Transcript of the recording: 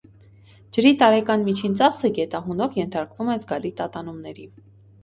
Ջրի տարեկան միջին ծախսը գետահունով ենթարկվում է զգալի տատանումների։